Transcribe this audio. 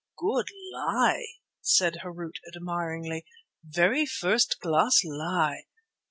"Good lie," said Harût admiringly, "very first class lie!